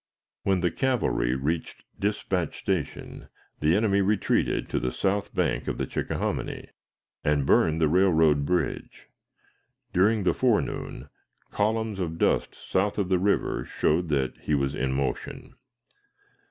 When the cavalry reached Dispatch Station, the enemy retreated to the south bank of the Chickahominy, and burned the railroad bridge. During the forenoon, columns of dust south of the river showed that he was in motion.